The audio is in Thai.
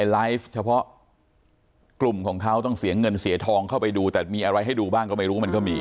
ไลฟ์เฉพาะกลุ่มของเขาต้องเสียเงินเสียทองเข้าไปดูแต่มีอะไรให้ดูบ้างก็ไม่รู้มันก็มี